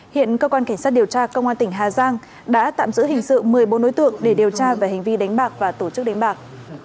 hiện cơ quan cảnh sát điều tra công an tỉnh hà giang đã tạm giữ hình sự một mươi bốn đối tượng để điều tra về hành vi đánh bạc và tổ chức đánh bạc